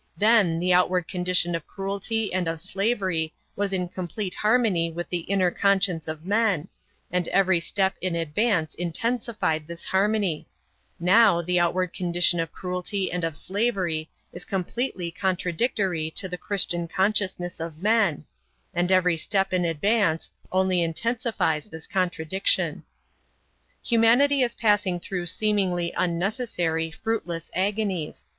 Then the outward condition of cruelty and of slavery was in complete harmony with the inner conscience of men, and every step in advance intensified this harmony; now the outward condition of cruelty and of slavery is completely contradictory to the Christian consciousness of men, and every step in advance only intensifies this contradiction. Humanity is passing through seemingly unnecessary, fruitless agonies.